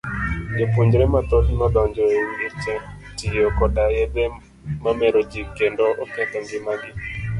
Jopuonjre mathoth nodonjo e weche tiyo koda yedhe mameroji kendo oketho ng'ima gi.